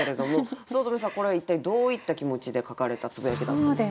五月女さんこれは一体どういった気持ちで書かれたつぶやきだったんですか？